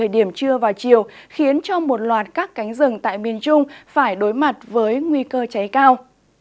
bảy điểm trưa vào chiều khiến cho một loạt các cánh rừng tại miền trung phải đối mặt với nguy cơ cháy cao